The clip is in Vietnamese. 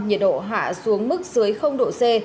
nhiệt độ hạ xuống mức dưới độ c